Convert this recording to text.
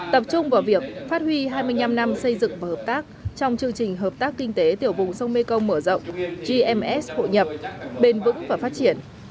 tập trung vào việc phát huy hai mươi năm năm xây dựng và hợp tác trong chương trình hợp tác kinh tế tiểu vùng sông mekong mở rộng gms hội nhập bền vững và phát triển